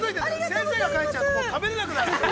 先生が帰っちゃうと、食べられなくなる。